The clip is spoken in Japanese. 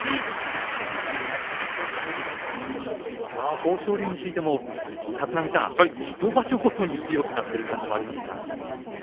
豊昇龍についても立浪さん、１場所ごとに強くなっている感じがありますが。